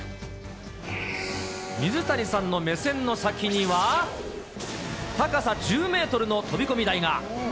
水谷さんの目線の先には、高さ１０メートルの飛び込み台が。